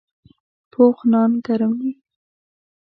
پوخ نان ګرم وي